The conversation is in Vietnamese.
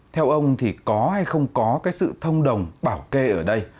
theo ông thì có hay không có cái sự thông đồng bảo kê ở đây